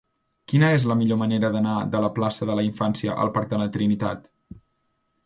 Quina és la millor manera d'anar de la plaça de la Infància al parc de la Trinitat?